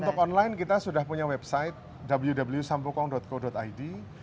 untuk online kita sudah punya website www sampukong co id